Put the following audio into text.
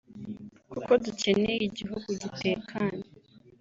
kuko dukeneye igihugu gitekanye